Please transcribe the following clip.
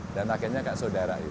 dan pakainya kak saudara itu